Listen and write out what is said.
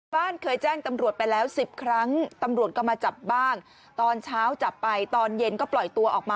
มีดยาวอ่ะแกว่งไปมาแล้วก็